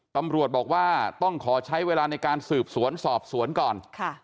ตำรวจบอกว่าต้องขอใช้เวลาในการสืบสวนสอบสวนก่อน